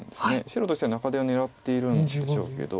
白としては中手を狙っているんでしょうけど。